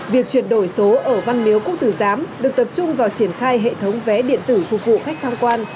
việc chuyển đổi số ở văn miếu quốc tử giám được tập trung vào triển khai hệ thống vé điện tử phục vụ khách tham quan